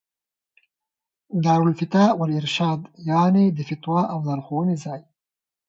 دار الافتاء والارشاد، يعني: د فتوا او لارښووني ځای